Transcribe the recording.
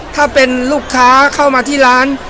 ถ้าเป็นลูกค้าเข้ามาที่ร้าน